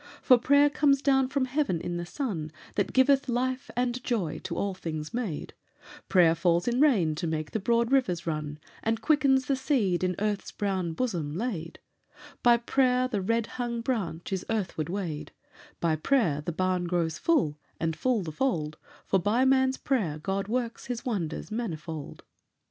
"For prayer comes down from heaven in the sun That giveth life and joy to all things made; Prayer falls in rain to make broad rivers run And quickens the seeds in earth's brown bosom laid; By prayer the red hung branch is earthward weighed, By prayer the barn grows full, and full the fold, For by man's prayer God works his wonders manifold."